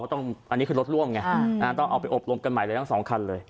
อันนี้คือรถร่วมไงต้องเอาไปอบรมกันใหม่เลยทั้งสองคันเลย